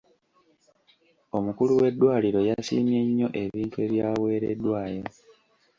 Omukulu w'eddwaliro yasiimye nnyo ebintu ebyaweereddwayo.